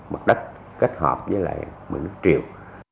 mặt đất kết hợp với mực nước triệu